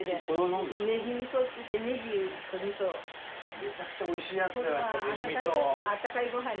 めちゃくちゃおいしいやつじゃないですかネギ味噌！